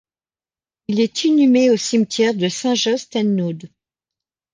Il est inhumé au cimetière de Saint-Josse-ten-Noode.